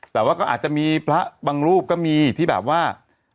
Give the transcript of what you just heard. แต่ว่าก็อาจจะมีพระบางรูปก็มีที่แบบว่า